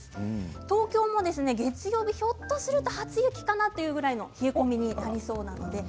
東京も月曜日、ひょっとすると初雪かなというぐらいの冷え込みになりそうです。。